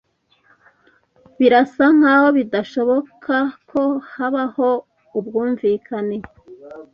Birasa nkaho bidashoboka ko habaho ubwumvikane.